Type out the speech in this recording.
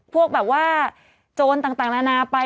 พวกแบบว่าโจรต่างนานาไป